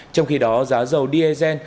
trong khi đó giá dầu diesel